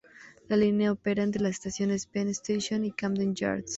La línea opera entre las estaciones Penn Station y Camden Yards.